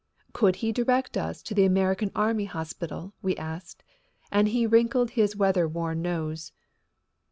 Could he direct us to the American Army Hospital, we asked, and he wrinkled his weather worn nose.